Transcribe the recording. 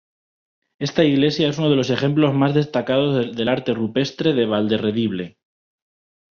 Esta iglesia es uno de los ejemplos más destacados del Arte rupestre de Valderredible.